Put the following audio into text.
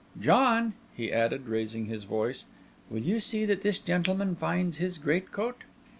John," he added, raising his voice, "will you see that this gentleman finds his great coat?"